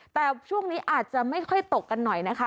แต่ช่วงนี้อาจจะไม่ค่อยตกกันหน่อยนะคะ